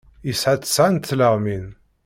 Yesɛa tesɛa n tleɣmin.